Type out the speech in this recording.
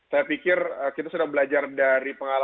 saya pikir kita sudah belajar dari pengalaman